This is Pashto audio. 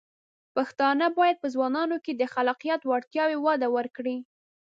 پښتانه بايد په ځوانانو کې د خلاقیت وړتیاوې وده ورکړي.